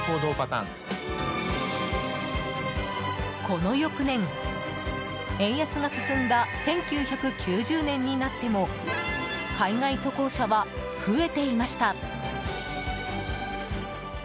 この翌年、円安が進んだ１９９０年になっても海外渡航者は増えていました。